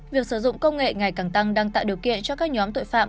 việc sử dụng công nghệ ngày càng tăng đang tạo điều kiện cho các nhóm tội phạm